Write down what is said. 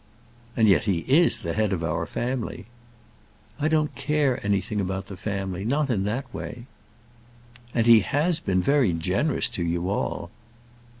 "And yet he is the head of our family." "I don't care anything about the family, not in that way." "And he has been very generous to you all."